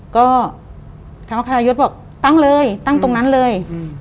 ก็ทางวครายศบอกตั้งเลยตั้งตรงนั้นเลย